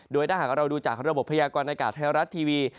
โดยถ้าหากเราดูจากระบบพยากรณากาศไทยรัฐทีวี